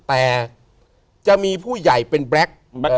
แต่จะมีผู้ใหญ่เป็นแบล็ค